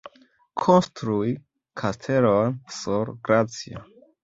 Konstrui kastelon sur glacio.